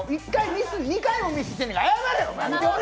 ２回もミスしてんねやから謝れや。